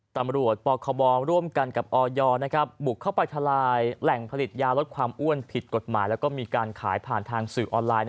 ตำรวจปคบร่วมกันกับออยบุกเข้าไปทลายแหล่งผลิตยาลดความอ้วนผิดกฎหมายแล้วก็มีการขายผ่านทางสื่อออนไลน์